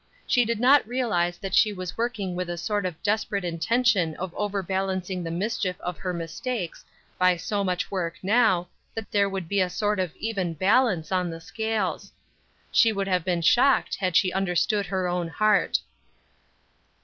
She did not realize that she was working with a sort of desperate intention of overbalancing the mischief of her mistakes by so much work now, that there would be a sort of even balance at the scales. She would have been shocked had she understood her own heart.